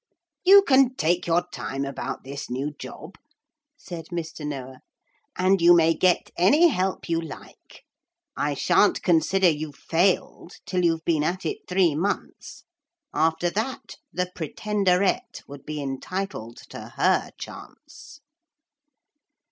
'You can take your time about this new job,' said Mr. Noah, 'and you may get any help you like. I shan't consider you've failed till you've been at it three months. After that the Pretenderette would be entitled to her chance.'